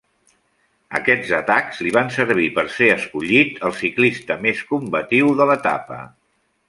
Aquests atacs li van servir per ser escollit el ciclista més combatiu de l'etapa.